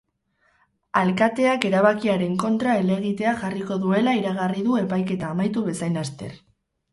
Alkateak erabakiaren kontra helegitea jarriko duela iragarri du epaiketa amaitu bezain laster.